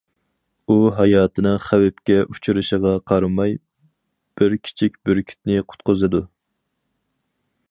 ئۇ ھاياتىنىڭ خەۋپكە ئۇچرىشىغا قارىماي بىر كىچىك بۈركۈتنى قۇتقۇزىدۇ.